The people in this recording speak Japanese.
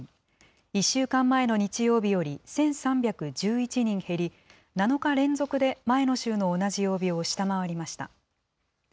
１週間前の日曜日より１３１１人減り、７日連続で前の週の同じ曜日を下回りました。